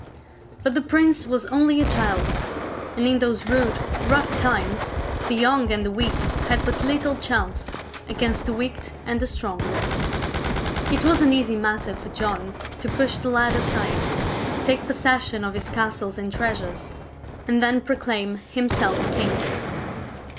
But the prince was only a child, and in those rude, rough times the young and the weak had but little chance against the wicked and the strong. It was an easy matter for John to push the lad aside, take possession of his castles and treasures, and then proclaim himself king.